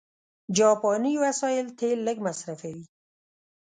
جاپاني وسایل تېل لږ مصرفوي.